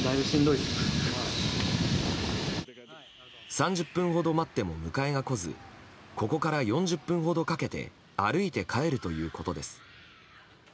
３０分ほど待っても迎えが来ずここから４０分ほどかけて歩いて帰るということです。